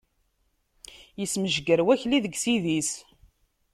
Ismejger Wakli deg sid-is.